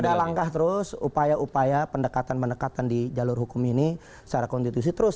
ada langkah terus upaya upaya pendekatan pendekatan di jalur hukum ini secara konstitusi terus